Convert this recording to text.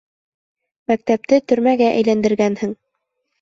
Мәктәпте төрмәгә әйләндергәнһең.